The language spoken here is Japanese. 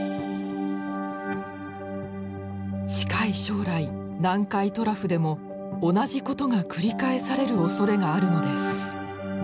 近い将来南海トラフでも同じことが繰り返されるおそれがあるのです。